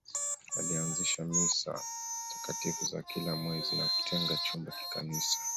Alianzisha Misa takatifu za kila mwezi na kutenga chumba kikanisa